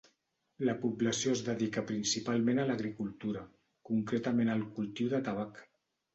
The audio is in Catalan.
La població es dedica principalment a l'agricultura, concretament el cultiu de tabac.